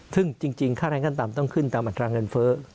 ซึ่งจริงค่าแรงขั้นต่ำต้องขึ้นตามอัตราเงินเฟ้อ